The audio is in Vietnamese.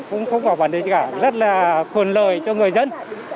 cũng không có vấn đề gì cả rất là thuận lợi cho người dân